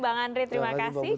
bang andri terima kasih